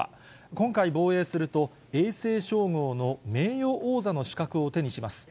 今回、防衛すると、永世称号の名誉王座の資格を手にします。